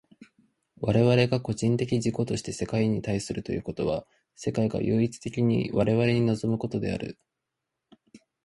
我々が個人的自己として世界に対するということは、世界が唯一的に我々に臨むことである。